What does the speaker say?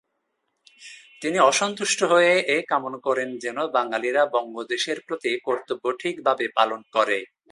তিনি অসন্তুষ্ট হয়ে এই কামনা করেন যেন বাঙালিরা বঙ্গদেশের প্রতি কর্তব্য ঠিকভাবে পালন করে।